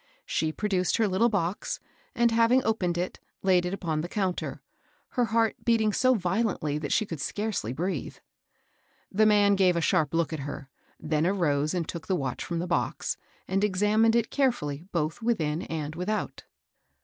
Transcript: She produced her little box, and, having opened it, laid it upon the counter, her heart beating so violently that she could scarcely breathe. The man gave a sharp look at her, then arose and took the watch from the box, and examined it carefully both within and without.